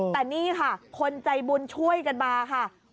แต่นี่ค่ะคนใจบุญช่วยกันมาค่ะ